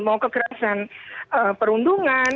mau kekerasan perundungan